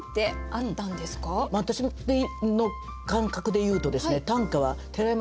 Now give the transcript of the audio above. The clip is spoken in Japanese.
私の感覚で言うとですね